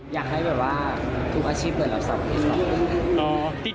อยากให้แบบว่าทุกอาชีพเปิดกับสาวประเภท๒